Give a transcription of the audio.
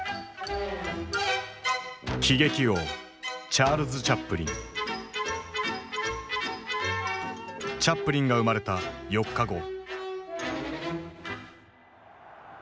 喜劇王チャップリンが生まれた４日後。